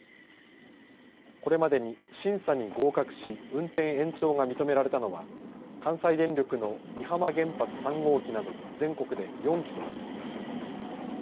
これまでに審査に合格し運転延長が認められたのは関西電力の美浜原発３号機など全国で４基となっています。